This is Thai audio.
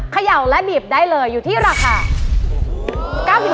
เขย่าและบีบได้เลยอยู่ที่ราคา